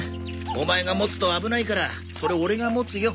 オマエが持つと危ないからそれオレが持つよ。